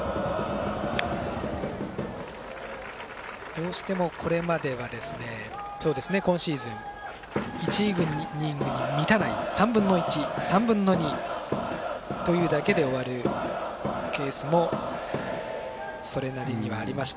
どうしてもこれまでは今シーズン１イニングに満たない３分の１、３分の２というだけで終わるケースもそれなりにはありまして。